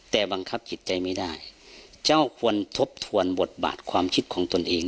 แต่บังคับจิตใจไม่ได้เจ้าควรทบทวนบทบาทความคิดของตนเอง